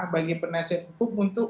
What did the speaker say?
bagi penasihat hukum untuk